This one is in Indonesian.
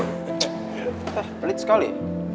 eh pelit sekali